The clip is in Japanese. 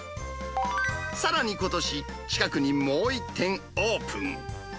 さらにことし、近くにもう１店オープン。